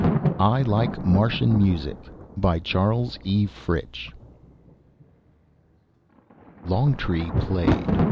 _ i like martian music by CHARLES E. FRITCH Longtree played.